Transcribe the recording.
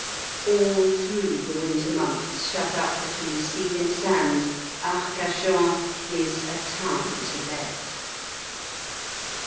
All through the winter months, shut up between sea and sand, Arcachon is A Town to Let.